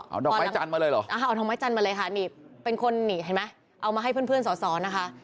เอาดอกไม้จันทร์มาเลยเหรอเอาดอกไม้จันทร์มาเลยค่ะนี่เป็นคนนี่เห็นไหมเอามาให้เพื่อนสอสอนะคะ